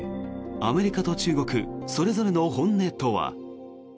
アメリカと中国それぞれの本音とは。